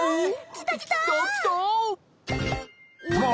きたきた。